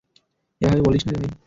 এভাবে বলিস নারে ভাই!